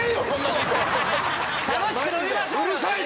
楽しく飲みましょうよってね。